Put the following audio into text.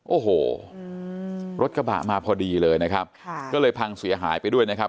โอ้โหรถกระบะมาพอดีเลยนะครับค่ะก็เลยพังเสียหายไปด้วยนะครับ